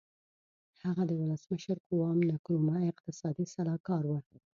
هغه د ولسمشر قوام نکرومه اقتصادي سلاکار و.